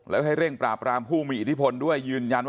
แล้วให้เร่งปราบรามผู้มีอิทธิพลด้วยยืนยันว่า